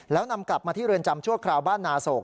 แล้วนำกลับมาที่เรือนจำชั่วคราวบ้านนาโศก